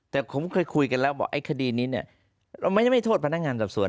แต่ผมเคยคุยกันแล้วกับอัปดาห์ไอ้คดีนี้เนี่ยเราไม่ทดพนักงานสอบสวน